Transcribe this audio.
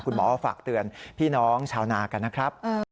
หมอฝากเตือนพี่น้องชาวนากันนะครับ